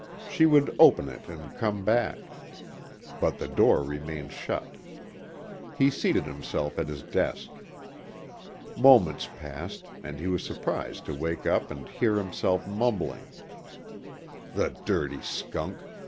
She would open it and come back. But the door remained shut. He seated himself at his desk. Moments passed and he was surprised to wake up and hear himself mumbling. "The dirty skunk!